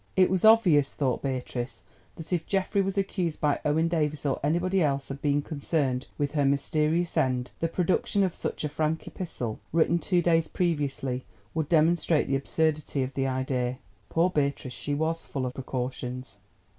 It was obvious, thought Beatrice, that if Geoffrey was accused by Owen Davies or anybody else of being concerned with her mysterious end, the production of such a frank epistle written two days previously would demonstrate the absurdity of the idea. Poor Beatrice, she was full of precautions!